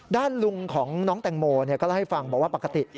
ด้านลุงของน้องแตงโมก็เล่าให้ฟังบอกว่าปกติ